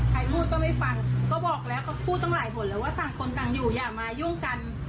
ใครพูดก็ไม่ฟังก็บอกแล้วเขาพูดตั้งหลายบทแล้วว่าต่างคนต่างอยู่อย่ามายุ่งกัน